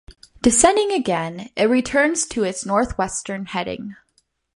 Descending again, it returns to its northwestern heading.